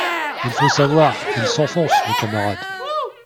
Il faut savoir, Il s’enfonce, le camarade